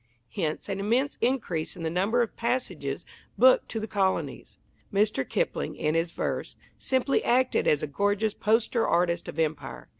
Hence an immense increase in the number of passages booked to the colonies. Mr. Kipling, in his verse, simply acted as a gorgeous poster artist of Empire.